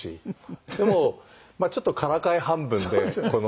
でもちょっとからかい半分でこの。